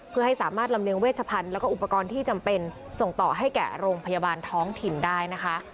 เพื่อให้สามารถลำเลียงเวชพันธุ์แล้วก็อุปกรณ์ที่จำเป็นส่งต่อให้แก่โรงพยาบาลท้องถิ่นได้นะคะ